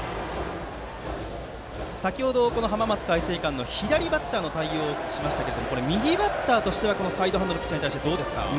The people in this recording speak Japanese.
先程、浜松開誠館の左バッターの対応のお話を伺いましたが右バッターとしてはサイドハンドのピッチャーに対してどうですか？